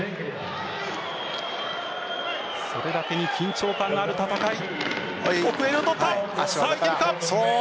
それだけに緊張感のある戦い。